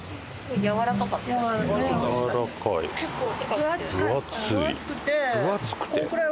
分厚くて？